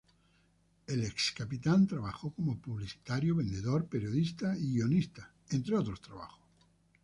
El excapitán trabajó como publicitario, vendedor, periodista y guionista, entre otros trabajos.